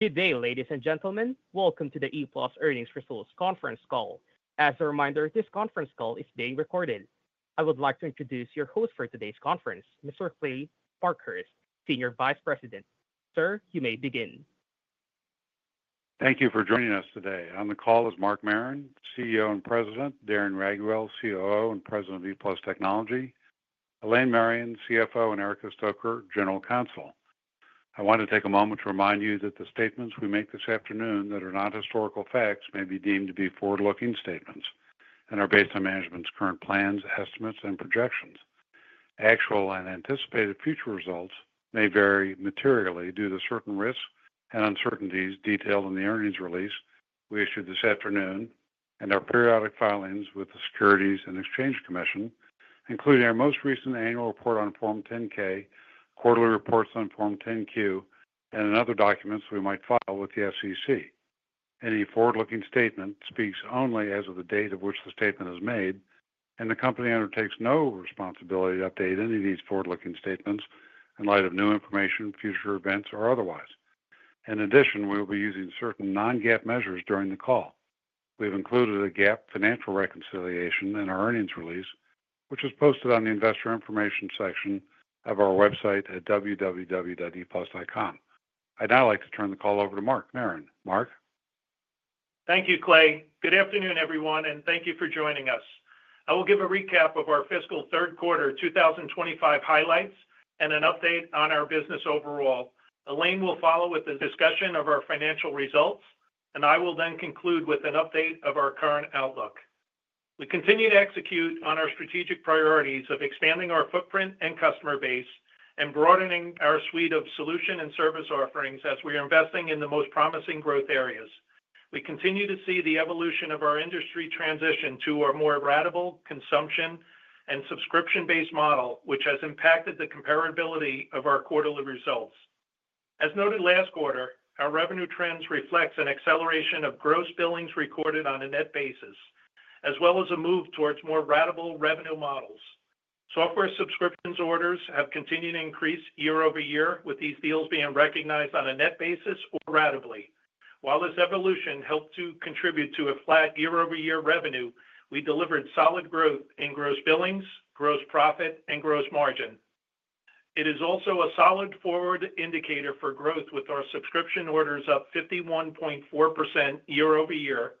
Good day, ladies and gentlemen. Welcome to the ePlus earnings results conference call. As a reminder, this conference call is being recorded. I would like to introduce your host for today's conference, Mr. Kley Parkhurst, Senior Vice President. Sir, you may begin. Thank you for joining us today. On the call is Mark Marron, CEO and President, Darren Raiguel, COO and President of ePlus Technology, Elaine Marion, CFO, and Erica Stoecker, General Counsel. I want to take a moment to remind you that the statements we make this afternoon that are not historical facts may be deemed to be forward-looking statements and are based on management's current plans, estimates, and projections. Actual and anticipated future results may vary materially due to certain risks and uncertainties detailed in the earnings release we issued this afternoon and our periodic filings with the Securities and Exchange Commission, including our most recent annual report on Form 10-K, quarterly reports on Form 10-Q, and other documents we might file with the SEC. Any forward-looking statement speaks only as of the date on which the statement is made, and the company undertakes no responsibility to update any of these forward-looking statements in light of new information, future events, or otherwise. In addition, we will be using certain non-GAAP measures during the call. We have included a GAAP financial reconciliation in our earnings release, which is posted on the investor information section of our website at www.eplus.com. I'd now like to turn the call over to Mark Marron. Mark? Thank you, Kley. Good afternoon, everyone, and thank you for joining us. I will give a recap of our fiscal third quarter 2025 highlights and an update on our business overall. Elaine will follow with a discussion of our financial results, and I will then conclude with an update of our current outlook. We continue to execute on our strategic priorities of expanding our footprint and customer base and broadening our suite of solution and service offerings as we are investing in the most promising growth areas. We continue to see the evolution of our industry transition to a more ratable consumption and subscription-based model, which has impacted the comparability of our quarterly results. As noted last quarter, our revenue trends reflect an acceleration of gross billings recorded on a net basis, as well as a move towards more ratable revenue models. Software subscriptions orders have continued to increase year-over-year, with these deals being recognized on a net basis or ratably. While this evolution helped to contribute to a flat year-over-year revenue, we delivered solid growth in gross billings, gross profit, and gross margin. It is also a solid forward indicator for growth, with our subscription orders up 51.4% year-over-year,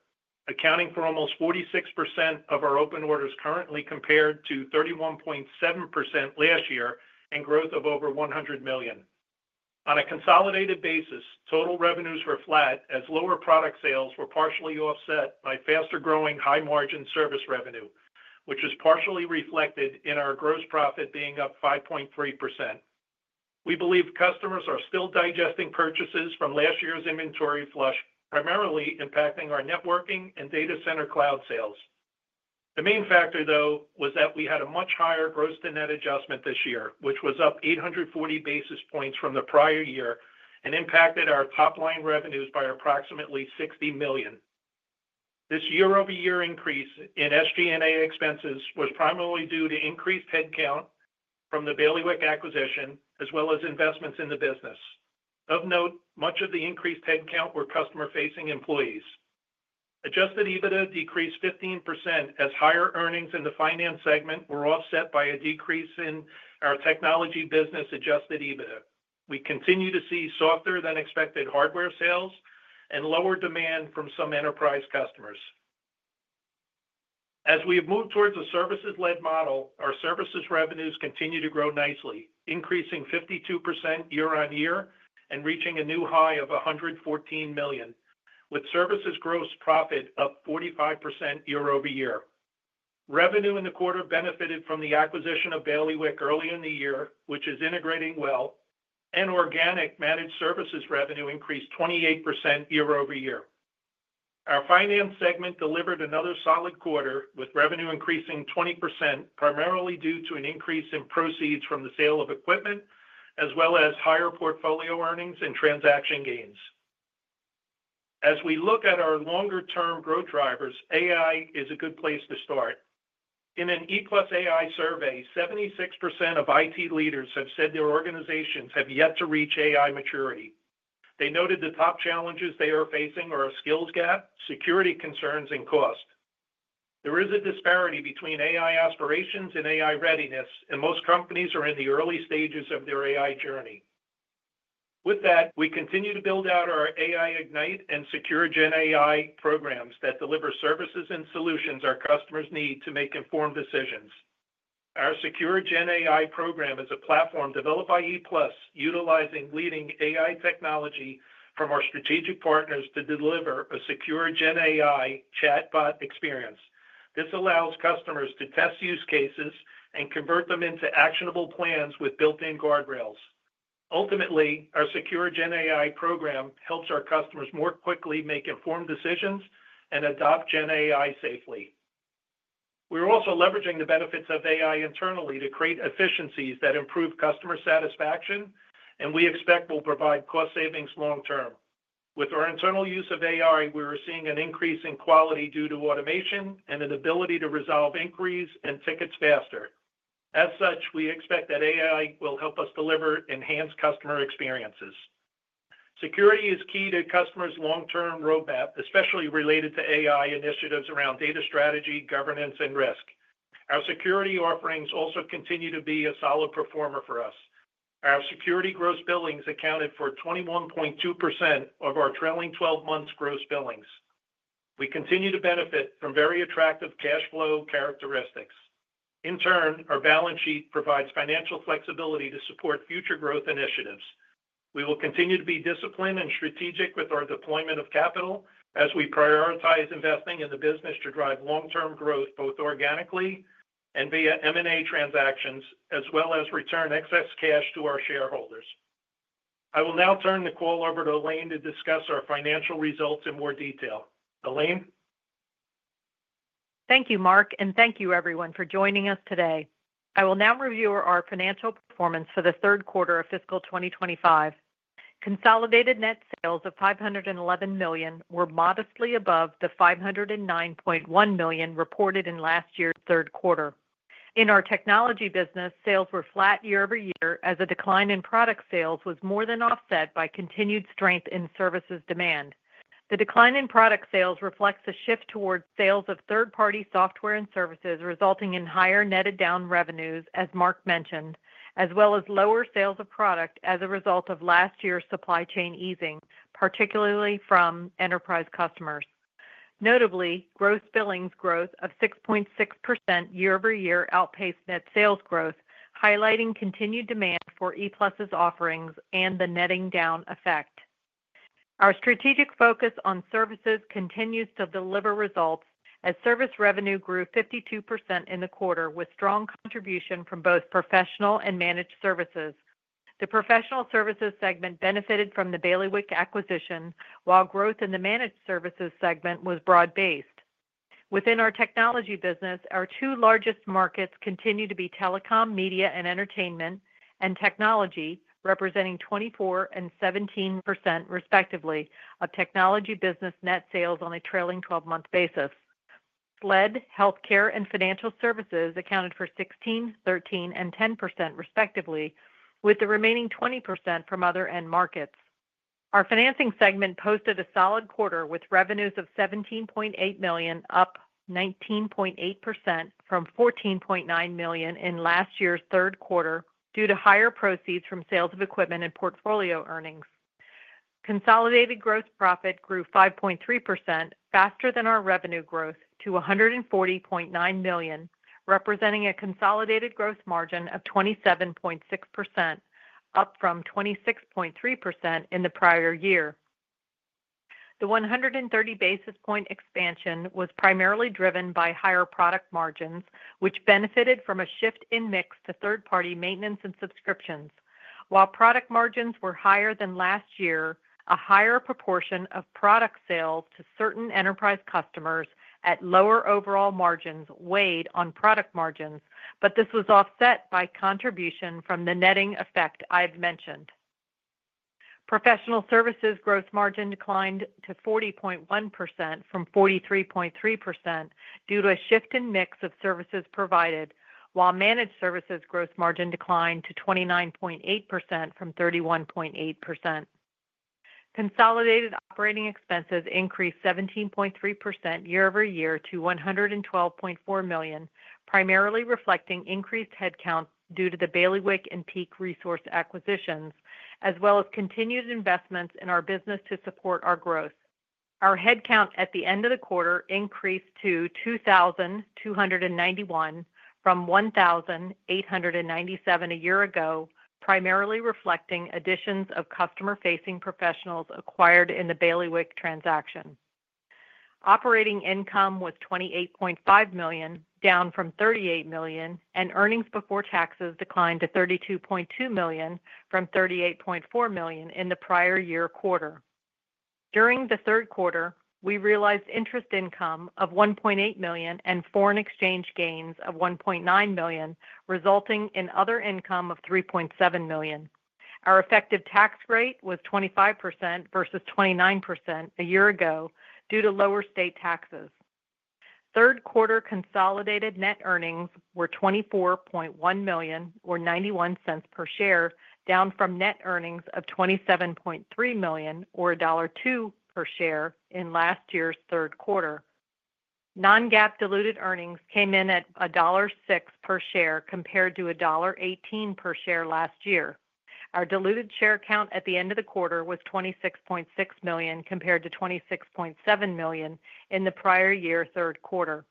accounting for almost 46% of our open orders currently, compared to 31.7% last year and growth of over $100 million. On a consolidated basis, total revenues were flat, as lower product sales were partially offset by faster-growing, high-margin service revenue, which is partially reflected in our gross profit being up 5.3%. We believe customers are still digesting purchases from last year's inventory flush, primarily impacting our networking and data center cloud sales. The main factor, though, was that we had a much higher gross-to-net adjustment this year, which was up 840 basis points from the prior year and impacted our top-line revenues by approximately $60 million. This year-over-year increase in SG&A expenses was primarily due to increased headcount from the Bailiwick acquisition, as well as investments in the business. Of note, much of the increased headcount were customer-facing employees. Adjusted EBITDA decreased 15% as higher earnings in the finance segment were offset by a decrease in our technology business adjusted EBITDA. We continue to see softer-than-expected hardware sales and lower demand from some enterprise customers. As we have moved towards a services-led model, our services revenues continue to grow nicely, increasing 52% year-on-year and reaching a new high of $114 million, with services gross profit up 45% year-over-year. Revenue in the quarter benefited from the acquisition of Bailiwick early in the year, which is integrating well, and organic managed services revenue increased 28% year-over-year. Our finance segment delivered another solid quarter, with revenue increasing 20%, primarily due to an increase in proceeds from the sale of equipment, as well as higher portfolio earnings and transaction gains. As we look at our longer-term growth drivers, AI is a good place to start. In an ePlus AI survey, 76% of IT leaders have said their organizations have yet to reach AI maturity. They noted the top challenges they are facing are a skills gap, security concerns, and cost. There is a disparity between AI aspirations and AI readiness, and most companies are in the early stages of their AI journey. With that, we continue to build out our AI Ignite and Secure GenAI programs that deliver services and solutions our customers need to make informed decisions. Our Secure GenAI program is a platform developed by ePlus, utilizing leading AI technology from our strategic partners to deliver a Secure GenAI chatbot experience. This allows customers to test use cases and convert them into actionable plans with built-in guardrails. Ultimately, our Secure GenAI program helps our customers more quickly make informed decisions and adopt Gen AI safely. We are also leveraging the benefits of AI internally to create efficiencies that improve customer satisfaction, and we expect will provide cost savings long-term. With our internal use of AI, we are seeing an increase in quality due to automation and an ability to resolve inquiries and tickets faster. As such, we expect that AI will help us deliver enhanced customer experiences. Security is key to customers' long-term roadmap, especially related to AI initiatives around data strategy, governance, and risk. Our security offerings also continue to be a solid performer for us. Our security gross billings accounted for 21.2% of our trailing 12 months' gross billings. We continue to benefit from very attractive cash flow characteristics. In turn, our balance sheet provides financial flexibility to support future growth initiatives. We will continue to be disciplined and strategic with our deployment of capital as we prioritize investing in the business to drive long-term growth both organically and via M&A transactions, as well as return excess cash to our shareholders. I will now turn the call over to Elaine to discuss our financial results in more detail. Elaine? Thank you, Mark, and thank you, everyone, for joining us today. I will now review our financial performance for the third quarter of fiscal 2025. Consolidated net sales of $511 million were modestly above the $509.1 million reported in last year's third quarter. In our technology business, sales were flat year-over-year, as a decline in product sales was more than offset by continued strength in services demand. The decline in product sales reflects a shift towards sales of third-party software and services, resulting in higher netted down revenues, as Mark mentioned, as well as lower sales of product as a result of last year's supply chain easing, particularly from enterprise customers. Notably, gross billings growth of 6.6% year-over-year outpaced net sales growth, highlighting continued demand for ePlus' offerings and the netting down effect. Our strategic focus on services continues to deliver results, as service revenue grew 52% in the quarter with strong contribution from both professional and managed services. The professional services segment benefited from the Bailiwick acquisition, while growth in the managed services segment was broad-based. Within our technology business, our two largest markets continue to be telecom, media, and entertainment, and technology, representing 24% and 17%, respectively, of technology business net sales on a trailing 12-month basis. SLED, healthcare, and financial services accounted for 16%, 13%, and 10%, respectively, with the remaining 20% from other end markets. Our financing segment posted a solid quarter with revenues of $17.8 million, up 19.8% from $14.9 million in last year's third quarter due to higher proceeds from sales of equipment and portfolio earnings. Consolidated gross profit grew 5.3%, faster than our revenue growth, to $140.9 million, representing a consolidated gross margin of 27.6%, up from 26.3% in the prior year. The 130 basis points expansion was primarily driven by higher product margins, which benefited from a shift in mix to third-party maintenance and subscriptions. While product margins were higher than last year, a higher proportion of product sales to certain enterprise customers at lower overall margins weighed on product margins, but this was offset by contribution from the netting effect I've mentioned. Professional services gross margin declined to 40.1% from 43.3% due to a shift in mix of services provided, while managed services gross margin declined to 29.8% from 31.8%. Consolidated operating expenses increased 17.3% year-over-year to $112.4 million, primarily reflecting increased headcount due to the Bailiwick and PEAK Resources acquisitions, as well as continued investments in our business to support our growth. Our headcount at the end of the quarter increased to 2,291 from 1,897 a year ago, primarily reflecting additions of customer-facing professionals acquired in the Bailiwick transaction. Operating income was $28.5 million, down from $38 million, and earnings before taxes declined to $32.2 million from $38.4 million in the prior year quarter. During the third quarter, we realized interest income of $1.8 million and foreign exchange gains of $1.9 million, resulting in other income of $3.7 million. Our effective tax rate was 25% versus 29% a year ago due to lower state taxes. Third quarter consolidated net earnings were $24.1 million, or $0.91 per share, down from net earnings of $27.3 million, or $1.02 per share in last year's third quarter. Non-GAAP diluted earnings came in at $1.06 per share compared to $1.18 per share last year. Our diluted share count at the end of the quarter was $26.6 million, compared to $26.7 million in the prior year third quarter.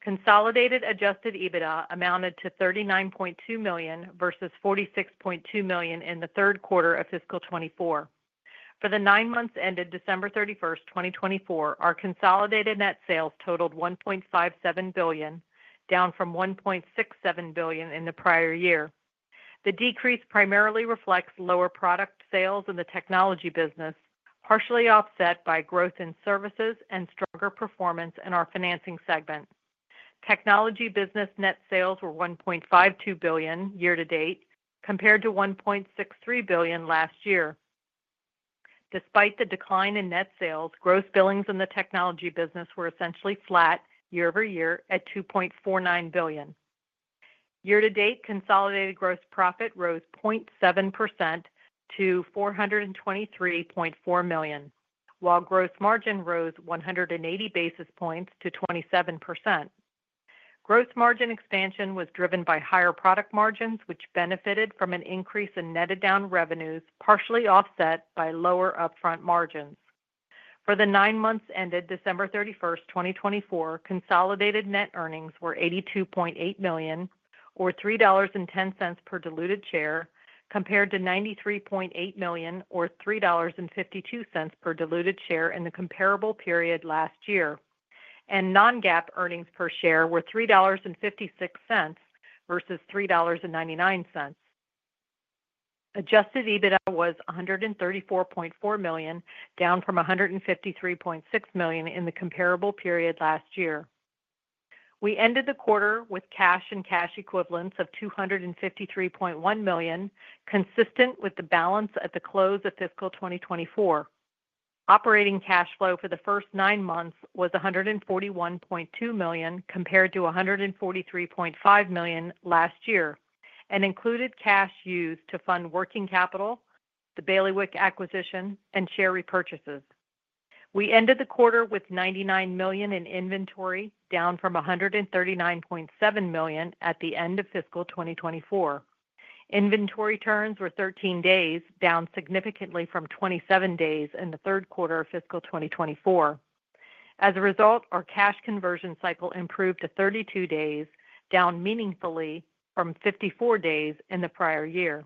Consolidated adjusted EBITDA amounted to $39.2 million versus $46.2 million in the third quarter of fiscal 2024. For the nine months ended December 31st, 2024, our consolidated net sales totaled $1.57 billion, down from $1.67 billion in the prior year. The decrease primarily reflects lower product sales in the technology business, partially offset by growth in services and stronger performance in our financing segment. Technology business net sales were $1.52 billion year-to-date, compared to $1.63 billion last year. Despite the decline in net sales, gross billings in the technology business were essentially flat year-over-year at $2.49 billion. Year-to-date, consolidated gross profit rose 0.7% to $423.4 million, while gross margin rose 180 basis points to 27%. Gross margin expansion was driven by higher product margins, which benefited from an increase in netted down revenues, partially offset by lower upfront margins. For the nine months ended December 31st, 2024, consolidated net earnings were $82.8 million, or $3.10 per diluted share, compared to $93.8 million, or $3.52 per diluted share in the comparable period last year, and non-GAAP earnings per share were $3.56 versus $3.99. Adjusted EBITDA was $134.4 million, down from $153.6 million in the comparable period last year. We ended the quarter with cash and cash equivalents of $253.1 million, consistent with the balance at the close of fiscal 2024. Operating cash flow for the first nine months was $141.2 million, compared to $143.5 million last year, and included cash used to fund working capital, the Bailiwick acquisition, and share repurchases. We ended the quarter with $99 million in inventory, down from $139.7 million at the end of fiscal 2024. Inventory turns were 13 days, down significantly from 27 days in the third quarter of fiscal 2024. As a result, our cash conversion cycle improved to 32 days, down meaningfully from 54 days in the prior year.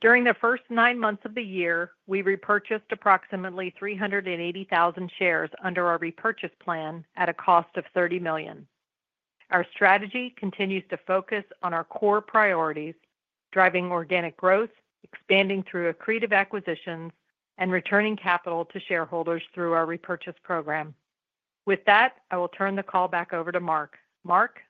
During the first nine months of the year, we repurchased approximately 380,000 shares under our repurchase plan at a cost of $30 million. Our strategy continues to focus on our core priorities, driving organic growth, expanding through accretive acquisitions, and returning capital to shareholders through our repurchase program. With that, I will turn the call back over to Mark. Mark?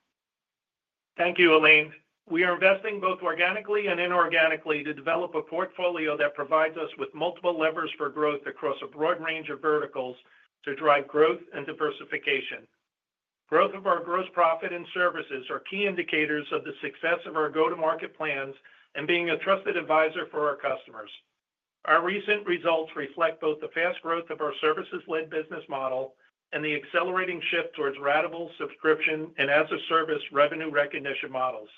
Thank you, Elaine. We are investing both organically and inorganically to develop a portfolio that provides us with multiple levers for growth across a broad range of verticals to drive growth and diversification. Growth of our gross profit and services are key indicators of the success of our go-to-market plans and being a trusted advisor for our customers. Our recent results reflect both the fast growth of our services-led business model and the accelerating shift towards recurring subscription and as-a-service revenue recognition models.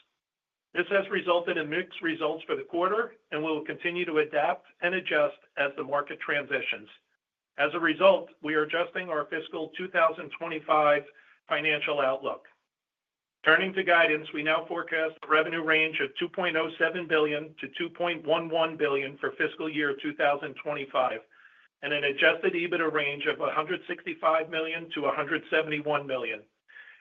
This has resulted in mixed results for the quarter, and we will continue to adapt and adjust as the market transitions. As a result, we are adjusting our fiscal 2025 financial outlook. Turning to guidance, we now forecast a revenue range of $2.07 billion-$2.11 billion for fiscal year 2025, and an adjusted EBITDA range of $165 million-$171 million.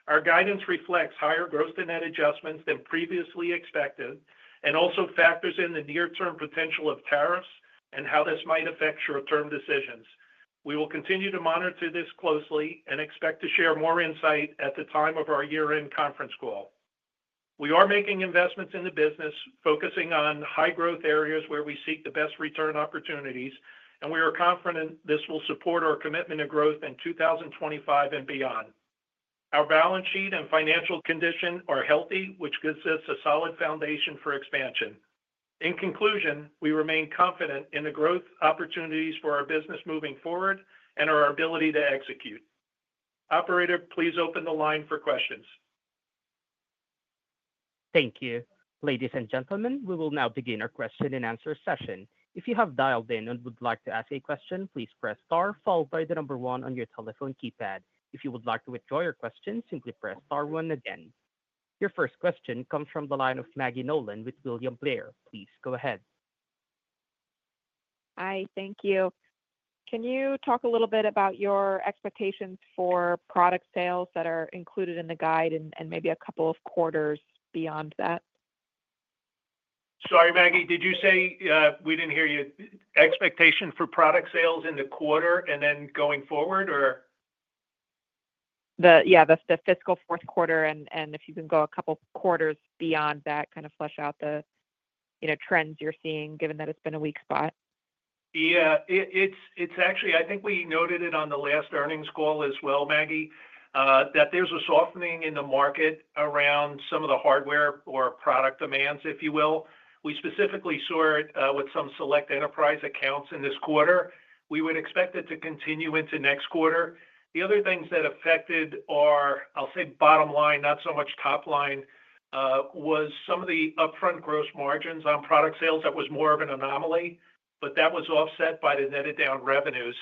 Our guidance reflects higher gross-to-net adjustments than previously expected and also factors in the near-term potential of tariffs and how this might affect short-term decisions. We will continue to monitor this closely and expect to share more insight at the time of our year-end conference call. We are making investments in the business, focusing on high-growth areas where we seek the best return opportunities, and we are confident this will support our commitment to growth in 2025 and beyond. Our balance sheet and financial condition are healthy, which gives us a solid foundation for expansion. In conclusion, we remain confident in the growth opportunities for our business moving forward and our ability to execute. Operator, please open the line for questions. Thank you. Ladies and gentlemen, we will now begin our question-and-answer session. If you have dialed in and would like to ask a question, please press star, followed by the number one on your telephone keypad. If you would like to withdraw your question, simply press star one again. Your first question comes from the line of Maggie Nolan with William Blair. Please go ahead. Hi, thank you. Can you talk a little bit about your expectations for product sales that are included in the guide and maybe a couple of quarters beyond that? Sorry, Maggie, did you say we didn't hear you? Expectation for product sales in the quarter and then going forward, or? Yeah, the fiscal fourth quarter, and if you can go a couple quarters beyond that, kind of flesh out the trends you're seeing, given that it's been a weak spot. Yeah, it's actually. I think we noted it on the last earnings call as well, Maggie, that there's a softening in the market around some of the hardware or product demands, if you will. We specifically saw it with some select enterprise accounts in this quarter. We would expect it to continue into next quarter. The other things that affected our, I'll say, bottom line, not so much top line, was some of the upfront gross margins on product sales that was more of an anomaly, but that was offset by the netted down revenues.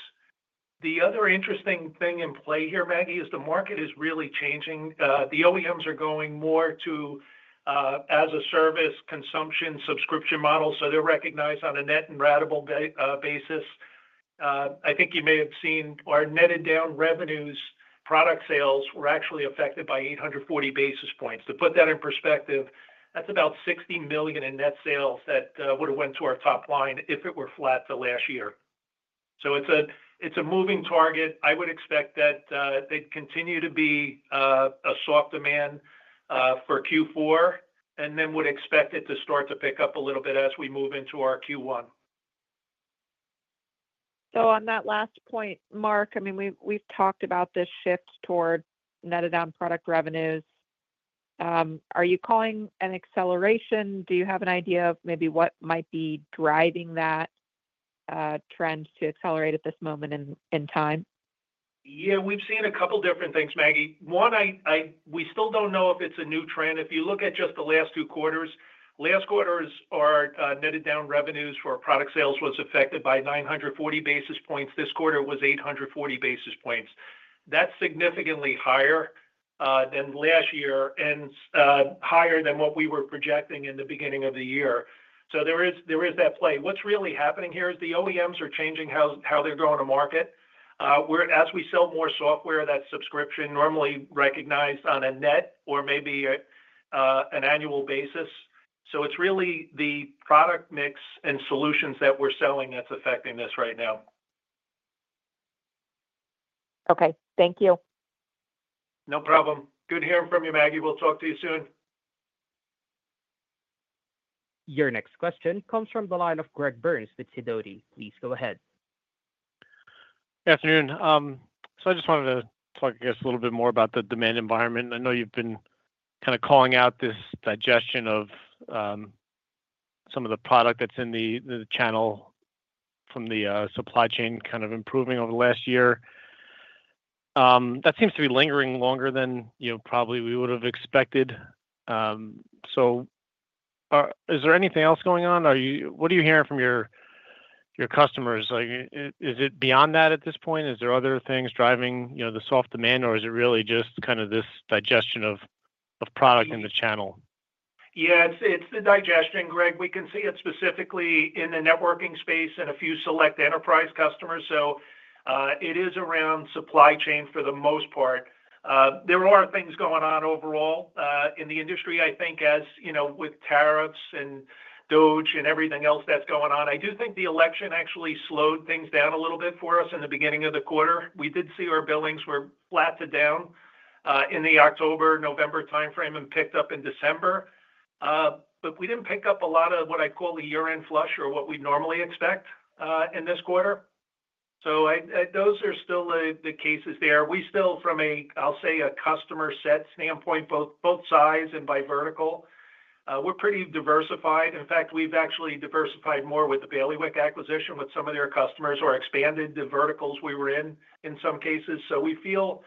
The other interesting thing in play here, Maggie, is the market is really changing. The OEMs are going more to as-a-service consumption subscription models, so they're recognized on a net and ratable basis. I think you may have seen our netted down revenues, product sales were actually affected by 840 basis points. To put that in perspective, that's about $60 million in net sales that would have went to our top line if it were flat the last year. So it's a moving target. I would expect that they'd continue to be a soft demand for Q4, and then would expect it to start to pick up a little bit as we move into our Q1. So on that last point, Mark, I mean, we've talked about this shift toward netted down product revenues. Are you calling an acceleration? Do you have an idea of maybe what might be driving that trend to accelerate at this moment in time? Yeah, we've seen a couple different things, Maggie. One, we still don't know if it's a new trend. If you look at just the last two quarters, last quarter's netted down revenues for product sales was affected by 940 basis points. This quarter was 840 basis points. That's significantly higher than last year and higher than what we were projecting in the beginning of the year, so there is that play. What's really happening here is the OEMs are changing how they're going to market. As we sell more software, that subscription normally recognized on a net or maybe an annual basis, so it's really the product mix and solutions that we're selling that's affecting this right now. Okay. Thank you. No problem. Good hearing from you, Maggie. We'll talk to you soon. Your next question comes from the line of Greg Burns with Sidoti. Please go ahead. Good afternoon. So I just wanted to talk, I guess, a little bit more about the demand environment. I know you've been kind of calling out this digestion of some of the product that's in the channel from the supply chain kind of improving over the last year. That seems to be lingering longer than probably we would have expected. So is there anything else going on? What are you hearing from your customers? Is it beyond that at this point? Is there other things driving the soft demand, or is it really just kind of this digestion of product in the channel? Yeah, it's the digestion, Greg. We can see it specifically in the networking space and a few select enterprise customers, so it is around supply chain for the most part. There are things going on overall in the industry, I think, as with tariffs and DOGE and everything else that's going on. I do think the election actually slowed things down a little bit for us in the beginning of the quarter. We did see our billings were flat to down in the October/November timeframe and picked up in December, but we didn't pick up a lot of what I'd call the year-end flush or what we'd normally expect in this quarter, so those are still the cases there. We still, from a, I'll say, a customer-set standpoint, both sides and by vertical, we're pretty diversified. In fact, we've actually diversified more with the Bailiwick acquisition with some of their customers or expanded the verticals we were in in some cases. So we feel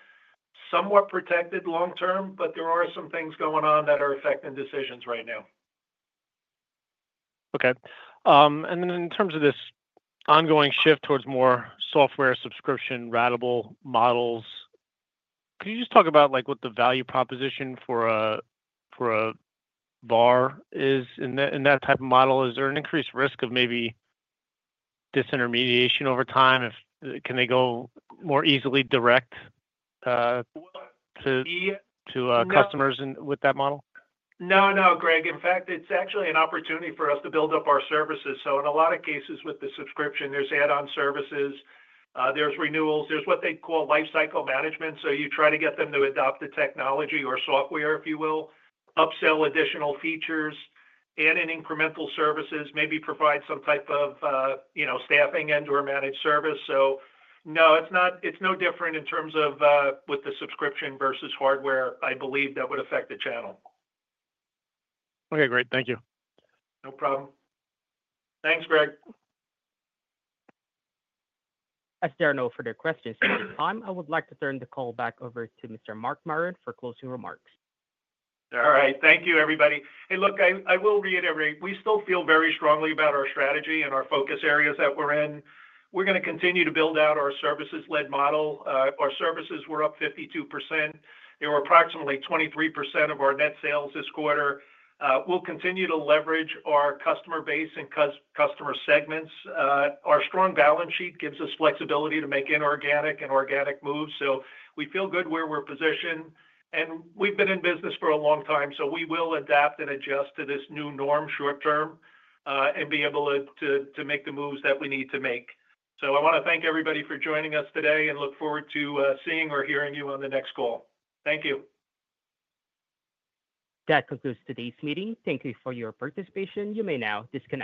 somewhat protected long-term, but there are some things going on that are affecting decisions right now. Okay, and then in terms of this ongoing shift towards more software subscription rental models, could you just talk about what the value proposition for a VAR is in that type of model? Is there an increased risk of maybe disintermediation over time? Can they go more easily direct to customers with that model? No, no, Greg. In fact, it's actually an opportunity for us to build up our services. So in a lot of cases with the subscription, there's add-on services, there's renewals, there's what they call lifecycle management. So you try to get them to adopt the technology or software, if you will, upsell additional features and incremental services, maybe provide some type of staffing and/or managed service. So no, it's no different in terms of with the subscription versus hardware, I believe, that would affect the channel. Okay, great. Thank you. No problem. Thanks, Greg. As there are no further questions at this time, I would like to turn the call back over to Mr. Mark Marron for closing remarks. All right. Thank you, everybody. Hey, look, I will reiterate, we still feel very strongly about our strategy and our focus areas that we're in. We're going to continue to build out our services-led model. Our services were up 52%. There were approximately 23% of our net sales this quarter. We'll continue to leverage our customer base and customer segments. Our strong balance sheet gives us flexibility to make inorganic and organic moves. So we feel good where we're positioned. And we've been in business for a long time, so we will adapt and adjust to this new norm short-term and be able to make the moves that we need to make. So I want to thank everybody for joining us today and look forward to seeing or hearing you on the next call. Thank you. That concludes today's meeting. Thank you for your participation. You may now disconnect.